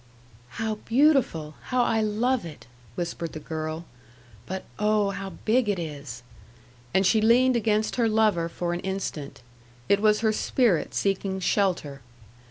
"How beautiful! how I love it!" whispered the girl. "But, oh, how big it is!" And she leaned against her lover for an instant. It was her spirit seeking shelter.